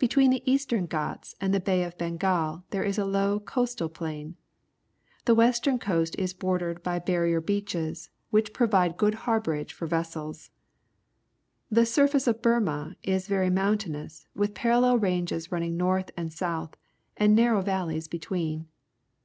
Between the Eastern Ghats and the Bay of Bengal there is a low coastal plain. The western coast is bordered by barrier beaches, which pro\ide good harbourage for vessels. The surface of Burma is very mountain ous, with parallel ranges running north and south, and narrow valleys between.